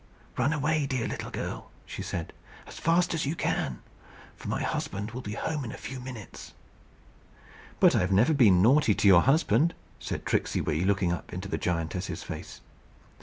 "Run away, dear little girl," she said, "as fast as you can; for my husband will be home in a few minutes." "But I've never been naughty to your husband," said Tricksey Wee, looking up in the giantess's face.